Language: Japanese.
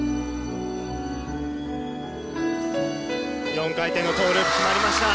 ４回転のトウループ決まりました。